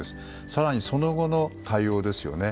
更に、その後の対応ですよね。